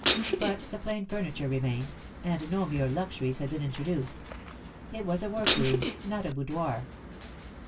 But the plain furniture remained, and no mere luxuries had been introduced. It was a work room, not a boudoir.